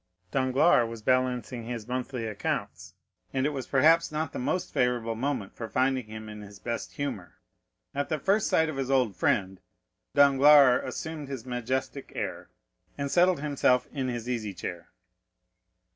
Danglars was balancing his monthly accounts, and it was perhaps not the most favorable moment for finding him in his best humor. At the first sight of his old friend, Danglars assumed his majestic air, and settled himself in his easy chair.